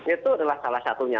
itu adalah salah satunya